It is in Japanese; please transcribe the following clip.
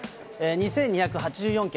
２２８４件。